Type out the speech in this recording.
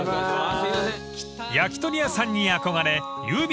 ［焼き鳥屋さんに憧れ郵便